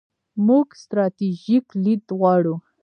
موږ ستراتیژیک لید غواړو.